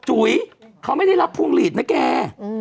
จุ๋ยเขาไม่ได้รับพวงหลีดนะแก